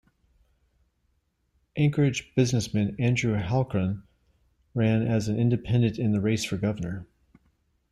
Anchorage businessman Andrew Halcro ran as an Independent in the race for governor.